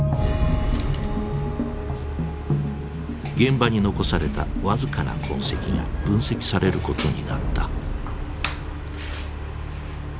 現場に残された僅かな痕跡が分析されることになった。